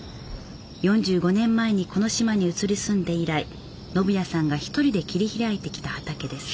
４５年前にこの島に移り住んで以来信巳さんが一人で切り開いてきた畑です